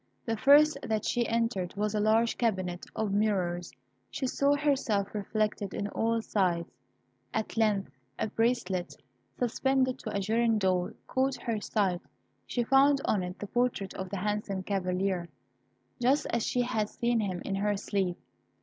The first that she entered was a large cabinet of mirrors. She saw herself reflected on all sides. At length a bracelet, suspended to a girandole, caught her sight. She found on it the portrait of the handsome Cavalier, just as she had seen him in her sleep.